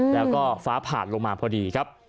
แล้วก็ฟ้าผ่านลงมาพอดีครับ